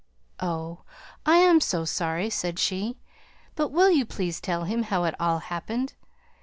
"Oh! I am so sorry!" said she. "But will you please tell him how it all happened.